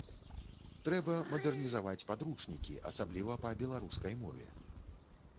Трэба мадэрнізаваць падручнікі, асабліва па беларускай мове.